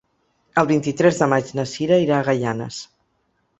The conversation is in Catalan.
El vint-i-tres de maig na Sira irà a Gaianes.